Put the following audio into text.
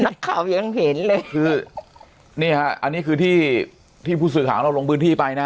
นักข่าวยังเห็นเลยคือนี่ฮะอันนี้คือที่ที่ผู้สื่อข่าวของเราลงพื้นที่ไปนะ